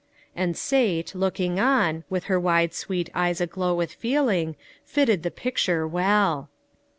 And Sate, looking on, with her wide sweet eyes aglow with feeling, fitted the picture well.